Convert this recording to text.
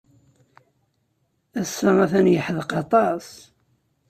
Ass-a atan yeḥdeq aṭas.